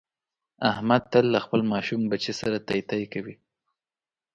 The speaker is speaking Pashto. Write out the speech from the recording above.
احمد تل له خپل ماشوم بچي سره تی تی کوي.